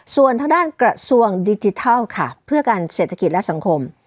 ส่วนทางด้านกระทรวงดิจิทัลค่ะเพื่อการเศรษฐกิจและสังคม